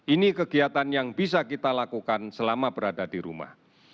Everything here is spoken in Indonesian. ini kegiatan yang bisa kita lakukan selama berada di rumah